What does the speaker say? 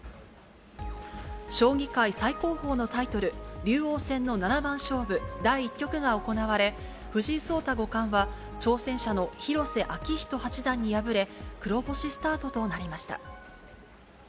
将棋界最高峰のタイトル、竜王戦の七番勝負第１局が行われ、藤井聡太五冠は挑戦者の広瀬章人八段に敗れ、黒星スタートとなりました。